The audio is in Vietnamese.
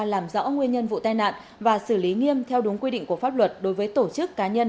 làm rõ nguyên nhân vụ tai nạn và xử lý nghiêm theo đúng quy định của pháp luật đối với tổ chức cá nhân